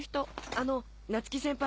あの夏希先輩